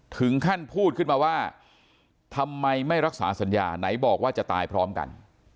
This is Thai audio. ถึงขั้นพูดขึ้นมาว่าทำไมไม่รักษาสัญญาไหนบอกว่าจะตายพร้อมกัน